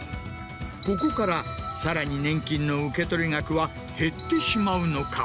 ここからさらに年金の受取額は減ってしまうのか？